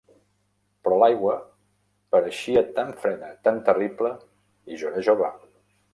Però l'aigua pareixia tan freda, tan terrible, i jo era jove.